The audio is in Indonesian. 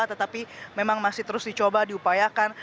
tetapi memang masih terus dicoba diupayakan